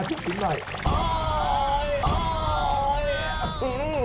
ต่อไปนะคะเราจะใช้เข็ม